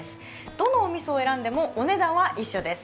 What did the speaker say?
どのおみそを選んでもお値段は一緒です。